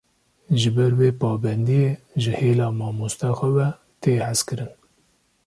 Ji ber vê pabendiyê, ji hêla mamoste xwe ve, tê hezkirin